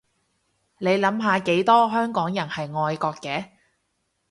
你諗下幾多香港人係愛國嘅